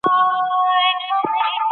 هر څوک باید خپله لاره وټاکي.